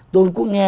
tôi cũng nghe